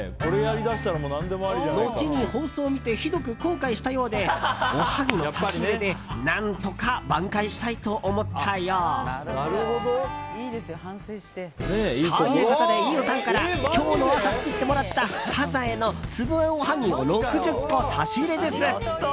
後に放送を見てひどく後悔したようでおはぎの差し入れで何とか挽回したいと思ったよう。ということで、飯尾さんから今日の朝作ってもらったサザエの粒あんおはぎ６０個を差し入れです。